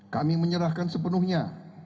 kami menyerahkan sepenuhnya